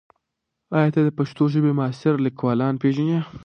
ایا ته د پښتو ژبې معاصر لیکوالان پېژنې؟